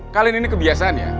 kalian ini kebiasaan ya